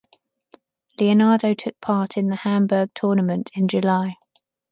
Leonardo took part in the Hambourg Tournament in July.